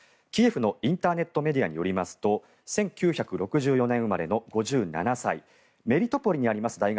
キエフのインターネットメディアによりますと１９６４年生まれの５７歳メリトポリにあります